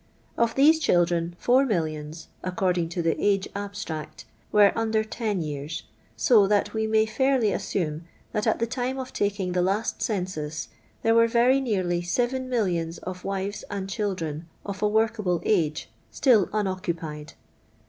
Of these children, four millions, according to the '* age abstract/' were under ten years, so that we may fisirly assume that, at the time of taking the last census, ihert wrs xtry nearly ttven miUianM qf trivet and childreti of a teorkabU aae ttUl unoccupied.